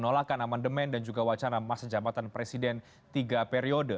kami mulai dari wacana amandemen dan juga wacana masa jabatan presiden tiga periode